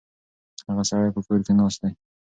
هغه سړی په کور کې ناست دی.